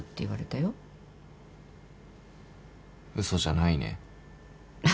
嘘じゃないね？